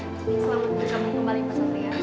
selamat bergabung kembali pak satria